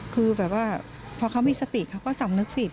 คือแบบว่าพอเขามีสติเขาก็สำนึกผิด